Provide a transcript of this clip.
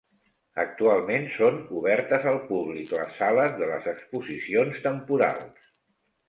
Actualment són obertes al públic les sales de les exposicions temporals.